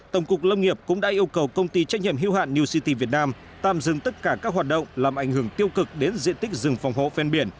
tổng cục lâm nghiệp cũng đã yêu cầu công ty trách nhiệm hữu hạn new city việt nam tạm dừng tất cả các hoạt động làm ảnh hưởng tiêu cực đến diện tích rừng phòng hộ ven biển